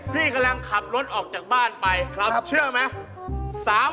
พี่กำลังขับรถออกจากบ้านไปเชื่อไหม